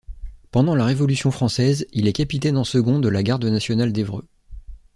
Pendant la Révolution française, il est capitaine en second de la Garde nationale d'Évreux.